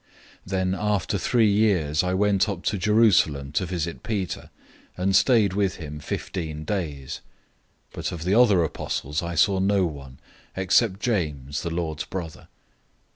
001:018 Then after three years I went up to Jerusalem to visit Peter, and stayed with him fifteen days. 001:019 But of the other apostles I saw no one, except James, the Lord's brother.